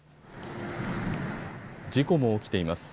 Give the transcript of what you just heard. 事故も起きています。